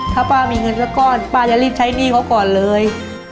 ถ้าป้ามีเงินสักก้อนป้าจะรีบใช้หนี้เขาก่อนเลย